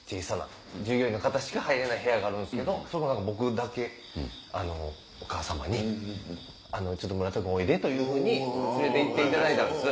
従業員の方しか入れない部屋があるんですけど僕だけお母さまに「村田君おいで」というふうに連れて行っていただいたんです。